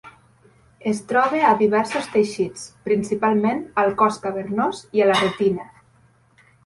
Es troba a diversos teixits, principalment al cos cavernós i a la retina.